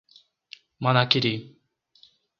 Manaquiri